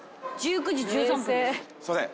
すいません。